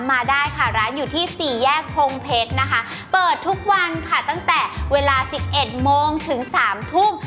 มาได้ค่ะร้านอยู่ที่๔แยกโภงเพชรเปิดทุกวันตั้งแต่เวลา๑๑โมงถึง๓ทุ่ม